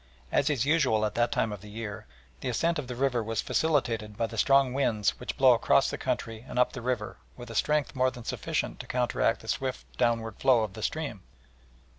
As is usual at that time of the year, the ascent of the river was facilitated by the strong winds which blow across the country and up the river with a strength more than sufficient to counteract the swift downward flow of the stream.